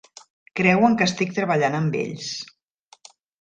Creuen que estic treballant amb ells.